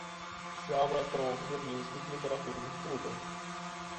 Сябра трох берлінскіх літаратурных клубаў.